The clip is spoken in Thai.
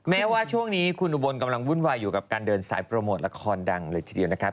แม้ว่าช่วงนี้คุณอุบลกำลังวุ่นวายอยู่กับการเดินสายโปรโมทละครดังเลยทีเดียวนะครับ